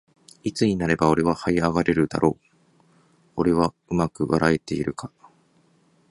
いぬーいつになれば俺は這い上がれるだろういぬー俺はうまく笑えているか